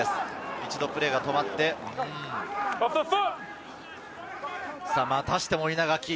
一度プレーが止まって、またしても稲垣。